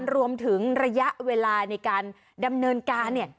รวมถึงระยะเวลาในการดำเนินการเนี่ย